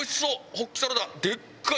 ホッキサラダでっかい！